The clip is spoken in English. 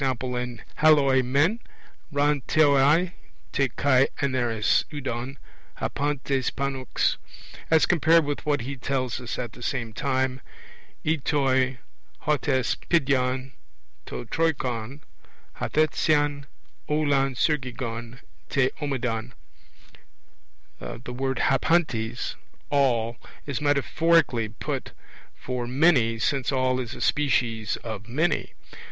in halloi men ra theoi te kai aneres eudon (hapantes) pannux as compared with what he tells us at the same time, e toi hot hes pedion to Troikon hathreseien, aulon suriggon *te homadon* the word hapantes 'all', is metaphorically put for 'many', since 'all' is a species of 'many